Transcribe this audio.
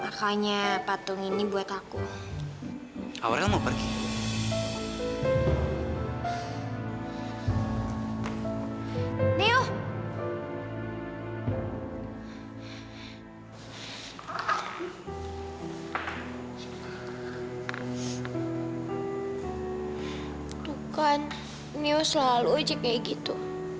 makanya patung ini buat aku